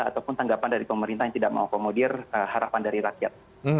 ataupun tanggapan dari pemerintah yang tidak mengakomodir harapan dari rakyat